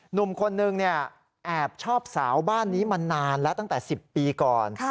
หนุ่มคนนึงแอบชอบสาวบ้านนี้มานานแล้วตั้งแต่๑๐ปีก่อน